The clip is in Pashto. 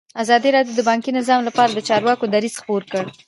ازادي راډیو د بانکي نظام لپاره د چارواکو دریځ خپور کړی.